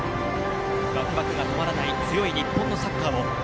ワクワクが止まらない強い日本のサッカーを。